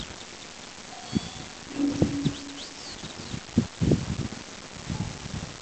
kuchafua Beijing iliyowahi kujulikana kwa shida yake ya uchafuzi wa